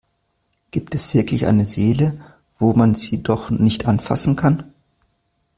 Gibt es wirklich eine Seele, wo man sie doch nicht anfassen kann?